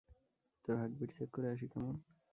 তোর heartbeat check করে আসি, কেমন?